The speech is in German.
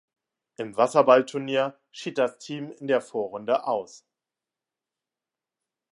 Im Wasserballturnier schied das Team in der Vorrunde aus.